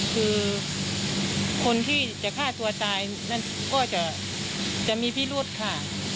คือคนที่จะฆ่าตัวตายนั่นก็จะมีพิรุธค่ะ